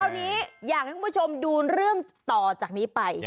ตอนนี้อยากให้คุณผู้ชมดูเรื่องต่อจากนี้ไป